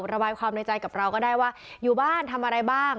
ระบายความในใจกับเราก็ได้ว่าอยู่บ้านทำอะไรบ้าง